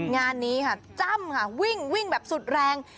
งานนี้ค่ะจ้ำค่ะวิ่งวิ่งแบบสุดแรง